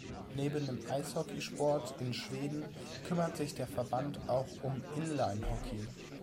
Neben dem Eishockeysport in Schweden kümmert sich der Verband auch um Inlinehockey.